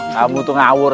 kamu tuh ngawur